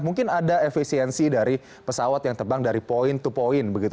mungkin ada efisiensi dari pesawat yang terbang dari point to point begitu